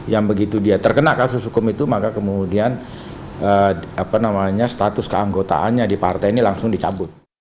yang begitu dia terkena kasus hukum itu maka kemudian status keanggotaannya di partai ini langsung dicabut